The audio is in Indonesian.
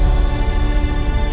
saya akan keluar